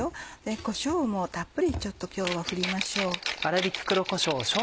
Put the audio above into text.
こしょうもたっぷり今日は振りましょう。